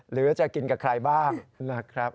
หรือจะกินกับใครบ้างนะครับ